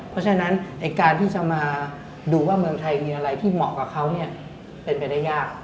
เพราะฉะนั้นการที่จะมาดูว่าเมืองไทยมีอะไรที่เหมาะกับเขาเป็นไปได้ยาก